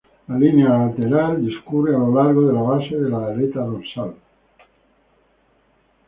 La línea lateral discurre a lo largo de la base de la aleta dorsal.